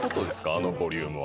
あのボリュームは。